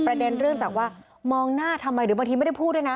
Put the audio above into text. ประเด็นเรื่องจากว่ามองหน้าทำไม